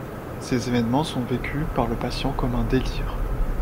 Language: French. Ces évènements sont vécus par le patient comme un délire.